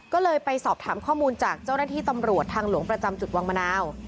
ก็เลยไปสอบถามข้อมูลจากเจ้าหน้าที่ตำรวจทางหลวงประจำจุดวังมะนาว